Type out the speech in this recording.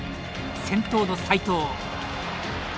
先頭の斉藤。